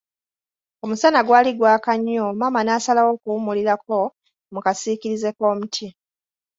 Omusana gw'ali gwaka nnyo maama n'asalawo okuwumulirako mu kasiikirize k'omuti.